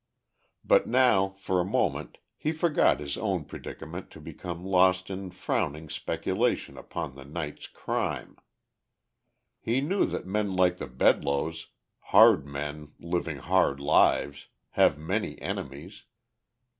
But now, for a moment, he forgot his own predicament to become lost in frowning speculation upon the night's crime. He knew that men like the Bedloes, hard men living hard lives, have many enemies.